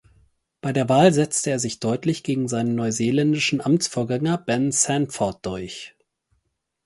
Bei der Wahl setzte er sich deutlich gegen seinen neuseeländischen Amtsvorgänger Ben Sandford durch.